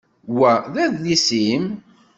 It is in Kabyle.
Wa d adlis-im?